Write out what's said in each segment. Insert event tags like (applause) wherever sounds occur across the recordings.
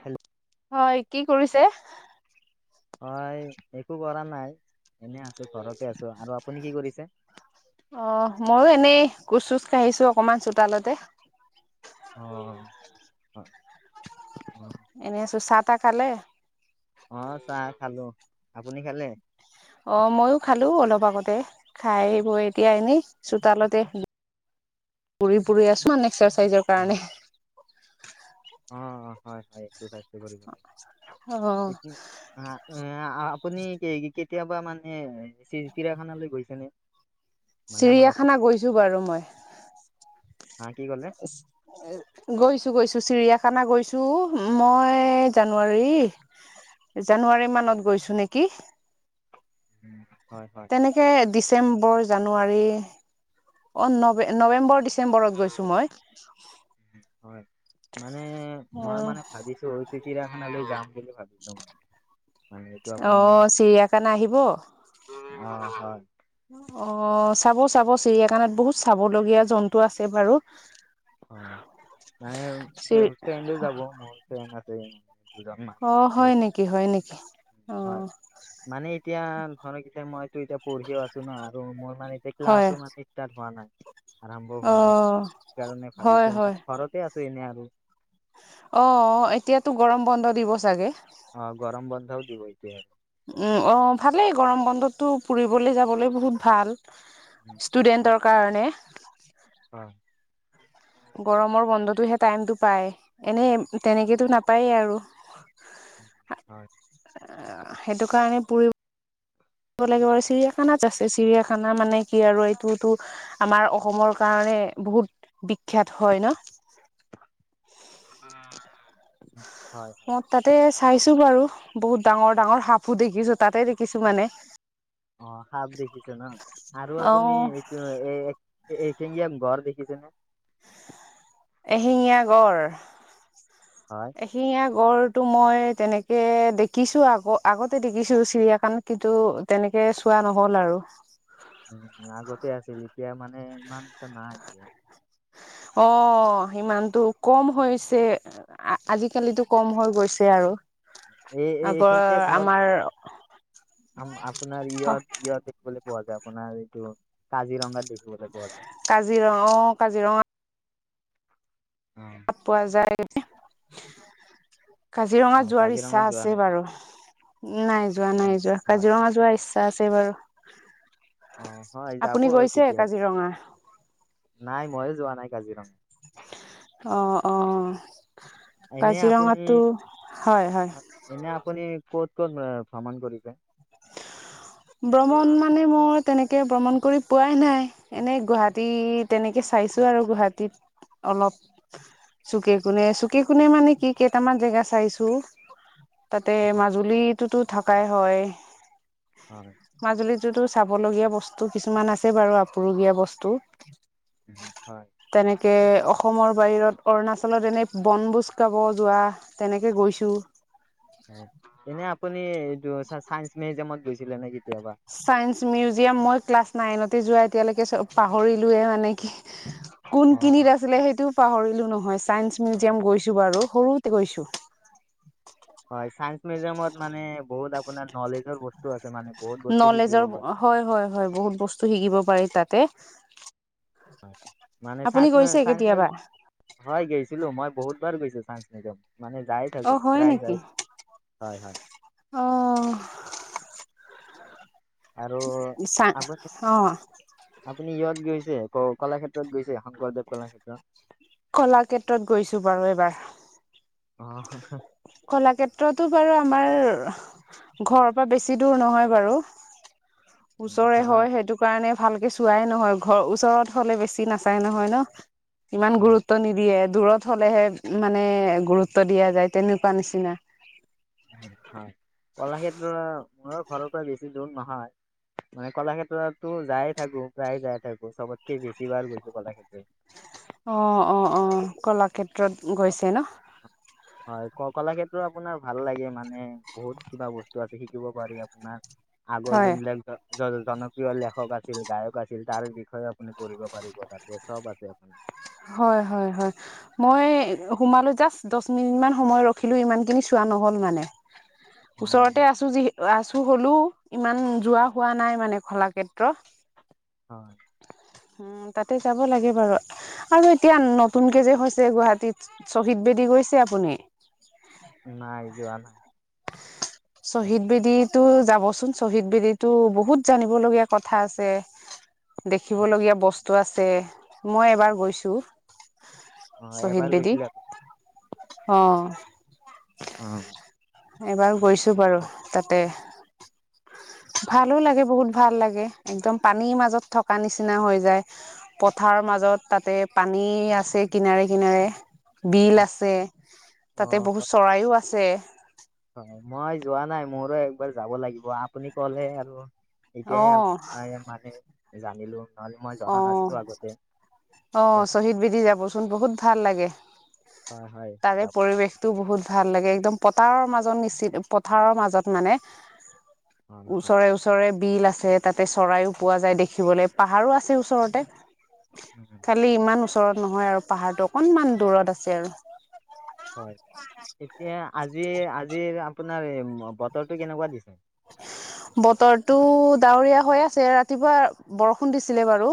Hello, হয় কি কৰিছে? হয় একো কৰা নাই এনে আছো ঘৰতে আছো আৰু আপুনি কি কৰিছে? খোচ চোচ কাঢ়িছো অকমান চোতালতে। অ', এনে আছো চাহ তাহ খালে। অ, চাহ খালো আপুনি খালে? অ, মইও খালো অলপ আগতে খাই বৈ এতিয়া এনেই চোতালতে হয়। পুৰি - পুৰি আছো আন এক্সাৰচাইজৰ কাৰণে। অ, হয় - হয়। ল আপুনি অ (unintelligible) কেতিয়াবা মানে চিৰাখানালৈ গৈছে নে। চিৰিয়াখানা গৈছো বাৰু মই। হা কি ক'লে গৈছো - গৈছো চিৰিয়াখানা গৈছো। চু মই জানুৱাৰী জানুৱাৰী মানত গৈছো নেকি? উম, তেনেকে ডিচেম্বৰ জানুৱাৰী অ, নবন নৱেম্বৰ ডিচেম্বৰত গৈছো মই। হয় মানে অ মই মানে ভাবিছো হয় চিৰিয়াখানালৈ যাম বুলি ভাবিছো মানে। এইটো অ, আপোনাৰ চিৰিয়াখানা আহিব। অ, হয়। অ, চাব - চাব চিৰিয়াখানাত বহুত চাবলগীয়া জন্তু আছে বাৰু। হয়। মানে চি ফ্ৰেণ্ডো যাব মোৰ ফ্ৰেণ্ড আছে দুজনমান। অ, আৰু হয় নেকি- হয় নেকি? অ হয় মানে এতিয়া ধৰক কি মইতো এতিয়া পঢ়িও আছো ন আৰু মোৰ মানে যে হয় ক্লাছো মানে ষ্টাৰ হোৱা নাই। আৰম্ভ অ হোৱা নাই সেইকাৰণে হয় ভাবিছো হয় মান ঘৰতে আছো এনে আৰু। অ, এতিয়াতো গৰম বন্ধ দিব চাগে। চ দিব এতিয়া। উম, অ' ভালেই গৰম বন্ধতটো ফুৰিবলৈ যাবলৈ বহুত ভাল ষ্টুডেন্টৰ কাৰণে। অ'। গৰমৰ বন্ধতোহে টাইমতটো পায়। এনে তেনেকেতো নাপায়ে আৰু। হয়। সেইটো কাৰণে পৰিব লাগিব আৰু চিৰিয়াখানাত আছে চিৰিয়াখানা মানে কি আৰু এইটোতো আমাৰ অসমৰ কাৰণে বহুত বিখ্যাত হয় ন। উম, হয় হয়। মই তাতে চাইছো বাৰু বহুত ডাঙৰ ডাঙৰ সাপো দেখিছো তাতে দেখিছো মানে। অ', সাপ দেখিছো ন আৰু অ আপুনি এইটো এ এশিঙীয়া গড় দেখিছেনে? এশিঙীয়া গড় হয় এশিঙীয়া গড় মই তেনেকে দেখিছো আগ আগতে দেখিছো চিৰিয়াখান কিন্তু তেনেকে চোৱা নহ'ল আৰু। উম আগতে আছিল এতিয়া মানে ইমান এটা নাই এতিয়া অ', সিমানটো কম হৈছে আজিকালিতো কম হৈ গৈছে। আৰু এই এই আগৰ এশিঙীয়া গড় আমাৰ আম আপোনাৰ ইয়ত ইয়ত দেখিবলৈ যায় আপোনাৰ এইটো কাজিৰঙাত। দেখিবলৈ পোৱা যায়। কাজিৰঙা অ' কাজিৰঙা পোৱা যায়। (inaudible) কাজিৰঙা অ যোৱাৰ ইচ্ছা কাজিৰঙাত যোৱা আছে নাই ন বাৰু। আপুনি? নাই যোৱা উম, নাই যোৱা হয় কাজিৰঙা যোৱাৰ ইচ্ছা আছে বাৰু। অ', হয় যাব আপুনি গৈছে কেতিয়াবা। কাজিৰঙা নাই ময়ো যোৱা নাই কাজিৰঙা। অ', অহ। এনে আপুনি হয় হয় এনে আপুনি ক'ত ক'ত ভ্ৰমণ কৰিছে? ভ্ৰমন মানে মই তেনেকে ভ্ৰমণ কৰি পোৱাই নাই। এনে গুৱাহাটী তেনেকে চাইছো আৰু গুৱাহাটীত অলপ চুকে কোনে চুকে কোনে মানে কি কেইটামান জেগা চাইছো। তাতে মাজুলীটোতো থাকাই হয়। হয় মাজুলীত টোত চাব লগগীয়া বস্তু কিছুমান আছে বাৰু আপোৰুগীয়া বস্তু। হয়। কে অসমৰ বাহিৰত অৰুণাচলত এনে বনভোজ খাব যোৱা তেনেকে গৈছো। এনে আপুনি এইটো য' চাইন্স মিউজিয়ামত গৈছিলেনে চাইন্স মিউ জিয়াম মই ক্লাছ নাইনতে যোৱা এতিয়ালৈকে চ পাহৰিলোয়ে নেকি। অ কোনখিনিত আছিলে সেইটোও পাহৰিলো নহয় চাইন্স মিউজিয়াম গৈছো বাৰু সৰুতে গৈছো। হয় চাইন্স মিউজিয়ামত মানে বহুত আপোনাৰ নলেজৰ বস্তু আছে মানে। বহুত বস্তু শিকিব নলেজৰ পাৰি। হয়, হয়, হয় বহুত বস্তু শিকিব পাৰি তাতে। মানে আপুনি গৈছে চাচমি- চাইন্স-মিউ কেতিয়াবা হয় গৈছিলো। মই বহুত বাৰ গৈছো চাইন্স মিউজিয়াম। মানে যায় অ থাকো হয় প্ৰায় নেকি যায় হয়, হয়। অ আৰু চা আপনি অ আপুনি ইয়াত গৈ (unintelligible) কলাক্ষেত্ৰত গৈছে শংকৰদেৱ কলাক্ষেত্ৰত। কলাক্ষেত্ৰত গৈছো বাৰু এবাৰ। অ', (unintelligible) কলাক্ষেত্ৰতো বাৰু আমাৰ ঘৰৰ পৰা বেছি দূৰ নহয় বাৰু, ওচৰে হয়, সেইটো কাৰণে ভালকে চোৱাই নহয় ঘৰ ওচৰত হ'লে বেছি নাচাই নহয় ন ইমান হয় গুৰুত্ব নিদিয়ে। দূৰত হ'লে হে মানে গুৰুত্ব দিয়া যায়। তেনেকুৱা নিচিনা হয়, কলাক্ষেত্ৰ মোৰ ঘৰৰ পৰা বেছি দূৰ নহয়। মানে কলাক্ষেত্ৰতো যায় থাকোঁ প্ৰায় যায় থাকোঁ চবতকে বেছি বাৰ গৈছোঁ কলাক্ষেত্ৰ অ' অ' অ' কলাক্ষেত্ৰত গৈছে ন। টো আপোনাৰ ভাল লাগে মানে বহুত, কিবা বস্তু আছে শিকিব পাৰি আপোনাৰ। আগৰ হয় যোনবিলাক ‌ধ। জন জনপ্ৰিয় লেখক আছিল গায়ক আছিল তাৰ বিষয়ে আপুনি পঢ়িব পাৰিব তাতে চব আছে। হয় হয় হয় মই সোমালো জাষ্ট দচ মিনিত মান সময় ৰখিলো ইমানখিনি চো। চোৱা নহ'ল মানে অ, ওচৰতে আছো যি আছো হলোঁ। ইমান যোৱা হোৱা নাই মানে কলাক্ষেত্ৰ। হয়। উম তাতে যাব লাগে বাৰু। আৰু এতিয়া নতুনকে যে হৈছে গুৱাহাটীত শ্বহীদ বেদী গৈছে আপুনি? নাই যোৱা। শ্বহীদ বেদীত। টো যাবচোন, শ্বহীদ বেদীটো বহুত জানিবলগীয়া কথা আছে। হয়, দেখিবলগীয়া বস্তু আছে, মই এবাৰ গৈছোঁ। অ শ্বহীদ এবাৰ বেদী, গৈছিলে আপুনি? অহ। অহ। এবাৰ গৈছো বাৰু, তাতে। (unintelligible) ভালো লাগে, বহুত ভাল লাগে। একদম পানীৰ মাজত থকা নিচিনা হৈ যায়। পথা। ৰ মাজত তাতে পানী আছে কিনাৰে কিনাৰে। বিল আছে, অ, তাতে বহুত হয় চৰাইও আছে। মই যোৱা নাই, মোৰো একবাৰ যাব লাগিব। আপুনি ক'লে আৰু। অ এতিয়াহে, পাই মানে জানিলোঁ। অহ, অহ, শ্বহীদ বেদী যাব চোন বহুত ভাল লাগে। হয় হয় তাৰে যাম পৰিৱেশটো বহুত ভাল লাগ। একদম পতাৰৰ মাজত নিচি, পথাৰৰ মাজত মাজত মানে, হয় হয় ওচৰে, ওচৰে বিল আছে, তাতে চৰায়ো পোৱা যায় দেখিবলে, পাহাৰো আছে ওচৰতে। উম, খালী ইমান ওচৰত নহয় আৰু, পাহাৰটো অকনমান দূৰত আছে আৰু। হয়, এতিয়া আজি, আজিৰ আপোনাৰ বতৰটো কেনেকুৱা দিছে? বতৰটো ডাৱৰীয়া হৈ আছে, ৰাতিপুৱা বৰষুণ দিছিলে বাৰু।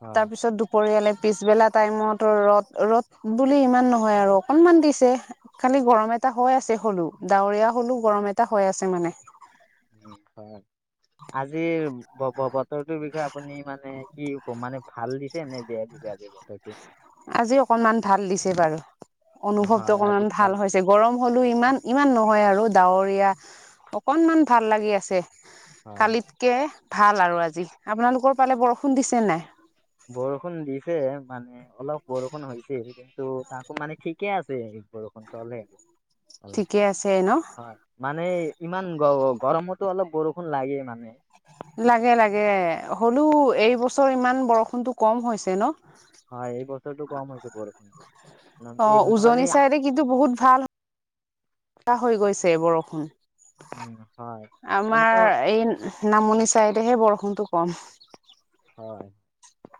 হয়। দুপৰীয়ালে পিছবেলা টাইমতো ৰ'দ, ৰ'দ বুলি ইমান নহয় আৰু অকনমান দিছে, খালী গৰমত (unintelligible) হৈ আছে হ'লেও, ডাৱৰীয়া হ'লেও গৰম এটা হৈ আছে মানে। উম, হয়, আজিৰ ব-ব-বতৰটোৰ বিষয়ে আপুনি মানে কি ক'ম? মানে ভাল দিছেনে বেয়া দিছে আজি বতৰ আজি অকনমান ভাল দিছে বাৰু। অনুভৱটো হয় আজি অকনমান ভাল হৈছে, গৰম হ'লেও ইমান, ইমান নহয় আৰু। ডাৱৰীয়া, অকনমান ভাল লাগি আছে। হয়। কালিতকে ভাল আৰু আজি, আপোনালোকৰ ফালে বৰষুণ দিছেনে নাই? বৰষুণ দিছে মানে অলপ বৰষুণ হৈছে, কিন্তু তাকো মানে ঠিকে আছে। বৰষুণ চলে ঠিকে আছে ন? এই ইমান গৰ-গৰমতো অলপ বৰষুণ লাগে মানে। লাগে লাগে। হ'লেও এইবছৰ ইমান বৰষুণটো কম হৈছে ন? হয়। এই বছৰটো কম হৈছে বৰষুণ অ উজনি দি। (unintelligible) ভাল অ, হৈ গৈছে বৰষুণ। উম, হয় কিন্তু আমাৰ এই নামনি চাইডেহে বৰষু কোনটো ক'ম? হয়,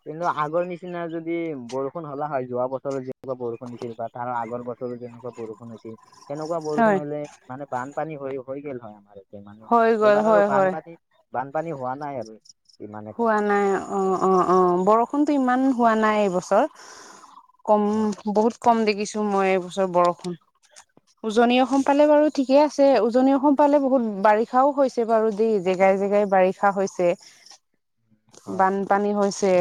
কিন্তু আগৰ নিচিনা যদি যদি বৰষুণ হ'লা হয়, যোৱা বছৰো যেনেকুৱা বৰষুণ দিছিল বা তাৰ আগৰ বছৰো যেনেকুৱা বৰষুণ হৈছিল। তেনেকুৱা বৰষুণ হয় হ'লে মানে বানপানী হৈ, হৈ গে'ল হয় আমাৰো। মানে হৈ গ'ল এইবাৰ আৰু হয় হয় বানপানী, বানপানী হোৱা নাই আৰু। ইমান এটা হোৱা নাই। অ, অ, অ, বৰষুণতো ইমান হোৱা নাই এইবছৰ। কম হয় বহুত কম দেখিছো মই এইবছৰ বৰষুণ। উজনি অসমফালে বাৰু ঠিকে আছে, উজনি অসমফালে বহুত বাৰিষাও হৈছে বাৰু দেই, জেগাই জেগা বাৰিষা হৈছে, হয় বানপানী হৈছে।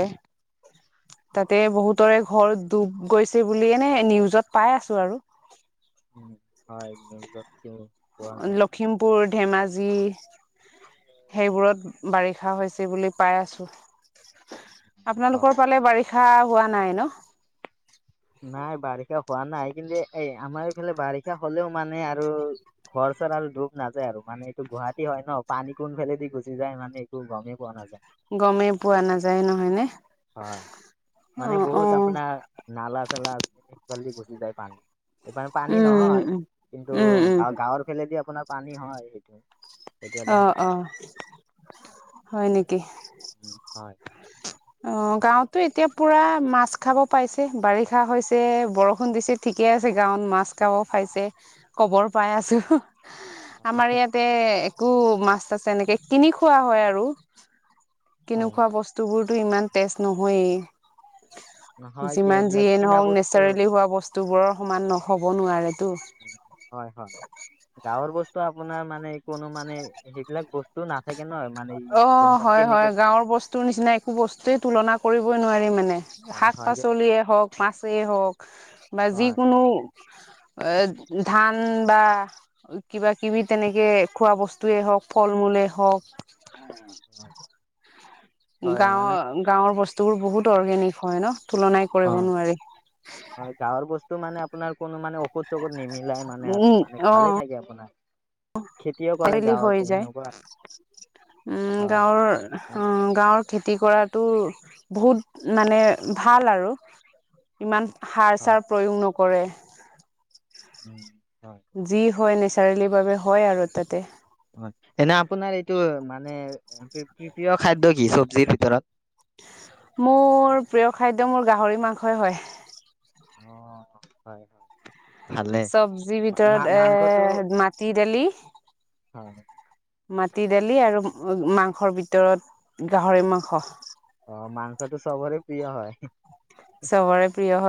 তাতে বহুতৰে ঘৰ ডুব গৈছে বুলি এনে নিউজত পাই আছো আৰু। উম, হয় মেইল লখিমপুৰ, ধেমাজি সেইবোৰত বাৰিষা খা হৈছে বুলি পাই আছোঁ। হয় আপোনালোকৰ ফালে বাৰিষা খা হোৱা নাই ন'? নাই বাৰিষা হোৱা নাই কিন্তু এ, আমাৰ এইফালে বাৰিষা হ'লেও মানে আৰু ঘৰ চৰ আৰু দুব নাযায় আৰু মানে এইটো গুৱাহাটী হয় ন' পানী কোনফালেদি গুচি যায় মানে একটো গমেই পোৱা নাযায়। গমেই পোৱা নাযায় নহয়নে? হয়। অ মানে অ বহুত আপোনাৰ নালা চালা আছে সেইফালদি গুচি যায় পানী। এইফালে পানী উম নহয় উম কিন্তু উম উম গাঁৱৰ ফেলেদি আপোনাৰ পানী হয় সেইটো। সেইটো এটা সম- অ', অ' হয় নেকি? উম, হয়। অ' গাঁৱতটো এতিয়া পুৰা মাছ খাব পাইছে। বাৰিষা হৈছে, বৰষুণ দিছে, ঠিকেই আছে, গাঁৱত মাছ খাব পাইছে। খবৰ পাই আছোঁ। আমাৰ ইয়াতে একো মাছ-তাছ এনেকে কিনি খোৱা হয় আৰু কিনি হয় খোৱা বস্তুবোৰতো ইমান টেষ্ট নহয়ে। নহয় কি যিমান এইবিলাক যিয়েই কিনা নহ'ক বস্তু নেচাৰেলি হোৱা বস্তুবোৰৰ সমান নহ'ব নোৱাৰে। হয়, হয়, গাঁৱৰ বস্তু তো আপোনাৰ মানে, কোনো মানে, সেইবিলাক বস্তু নাথাকে নহয় অ' হয় হয়, গাঁৱৰ বস্তুৰ নিচিনা একো বস্তুয়ে তুলনা কৰিবই নোৱাৰি মানে। হয় হয় যে শাক-পাচলিয়েই হওক, মাছেই হওক বা হয় যিকোনো এ, ধান উম, বা কিবা কিবি তেনেকে খোৱা বস্তুৱয়ে হওক, ফল মূলে হওক উম, হয়। মানে গাঁৱ গাঁৱৰ বস্ত তোৰ বহুত অৰ্গেনিক হয় ন? তুলনাই কৰিব নোৱাৰি। টো মানে আপোনাৰ কোনো মানে ঔষধ চৌষধ নিমিলাই মানে আৰু মানে ভালে থাকে আপোনাৰ। খেতিও কৰে পাৰিলেই গাঁৱত হৈ যায়। সেনেকুৱা উম, হয় গাঁৱৰ মানে অ' গাঁৱৰ খেতি কৰাত টো বহুত মানে ভাল আৰু। ইমান সাৰ হয় চাৰ প্ৰয়োগ নকৰে। উম, হয়, যি হয় নেচাৰেলি বাবে হয় আৰু তাতে। হয়। এনে আপোনাৰ এইটো মানে প্ৰিয় খাদ্য কি চবজিৰ ভিতৰত। মোৰ প্ৰিয় খাদ্য মোৰ গাহৰি মাংসই হয়। অ, হয় হয়। ভালে, চবজিৰ ভিতৰত মা-মাংসটো এৰ মাটি দালি। হয়, মাটি দালি আৰু মাংসৰ ভিতৰত গাহৰি মাংস। অ, মাংসটো চবৰে প্ৰিয় হয়। চবৰে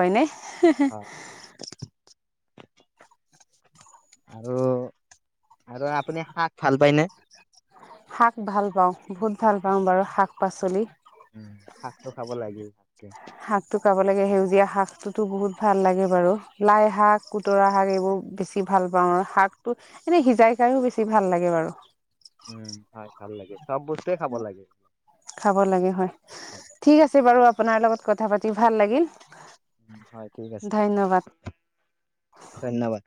হয়, প্ৰিয় হয়নে। আৰু আৰু আপুনি শাক ভাল পায়নে? শাক ভাল পাওঁ বহুত ভাল পাওঁ বাৰু শাক পাচলি। উম, শাকটো খাব লাগে ভাতকে শাক তো খাব লাগে সেউজীয়া শাক তো তো বহুত ভাল লাগে বাৰু লাই শাক কুতৰা শাক এইবোৰ বেছি ভাল পাওঁ আৰু শাক তো এনে সিজাই খাইও বেছি ভাল লাগে বাৰু। উম, হয় ভাল লাগে। চব বস্তুৱে খাব লাগে। খাব লাগে হয়, ঠিক আছে বাৰু আপোনাৰ লগত কথা পাতি ভাল লাগিল। হয় ঠিক আছে, ধন্যবাদ ধন্যবাদ।